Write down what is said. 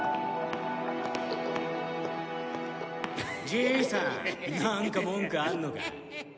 じいさんなんか文句あるのか？